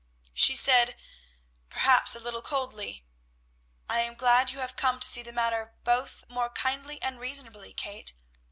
She said, perhaps a little coldly, "I am glad you have come to see the matter both more kindly and reasonably, Kate.